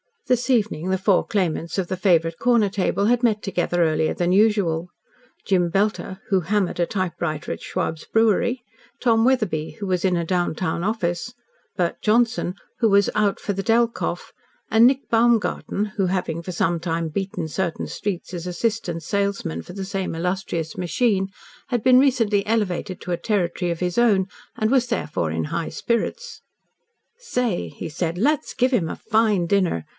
This evening the four claimants of the favourite corner table had met together earlier than usual. Jem Belter, who "hammered" a typewriter at Schwab's Brewery, Tom Wetherbee, who was "in a downtown office," Bert Johnson, who was "out for the Delkoff," and Nick Baumgarten, who having for some time "beaten" certain streets as assistant salesman for the same illustrious machine, had been recently elevated to a "territory" of his own, and was therefore in high spirits. "Say!" he said. "Let's give him a fine dinner.